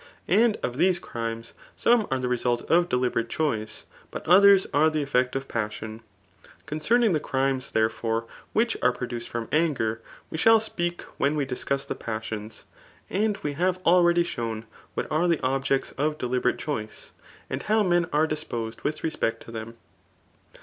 And of these crimes, some are the resuh of deliberate choice, but others are the effect of passion. Concerning die crimes therefore which are produced from aAger, we shall speak when we discuss the passions. And we have already shown what aVe the objects of deliberate choice^ and how men are disposed with respect to them.